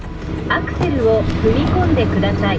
アクセルを踏み込んでください」。